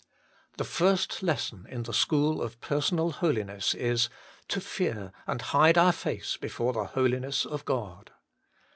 The first lesson in the school of personal holiness is, to fear and hide our face before the Holiness of God.